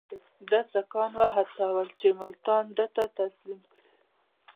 ده سیکهان وهڅول چې ملتان ده ته تسلیم کړي.